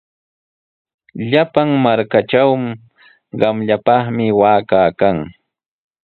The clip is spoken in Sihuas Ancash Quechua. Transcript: Llapan markatraw qamllapami waaka kan.